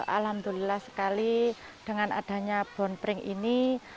alhamdulillah sekali dengan adanya bon pring ini